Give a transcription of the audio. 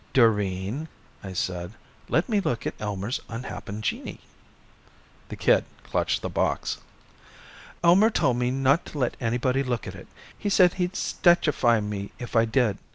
"Doreen," I said, "let me look at Elmer's unhappen genii." The kid clutched the box. "Elmer told me not to let anybody look at it. He said he'd statuefy me if I did.